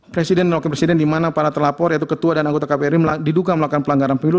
presiden dan wakil presiden di mana para terlapor yaitu ketua dan anggota kbri diduga melakukan pelanggaran pemilu